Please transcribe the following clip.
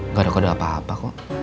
nggak ada kode apa apa kok